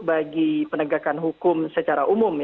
bagi penegakan hukum secara umum